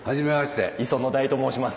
磯野大と申します。